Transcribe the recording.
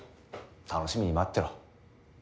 楽しみに待ってろ。